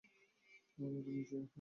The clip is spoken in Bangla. আরে আবার নির্জারা!